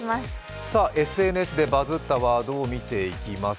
ＳＮＳでバズったワードを見ていきます。